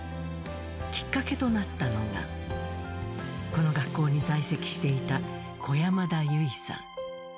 きっかけとなったのが、この学校に在籍していた小山田優生さん。